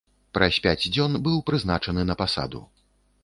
Праз пяць дзён быў прызначаны на пасаду.